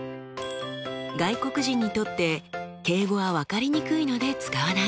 外国人にとって敬語は分かりにくので使わない。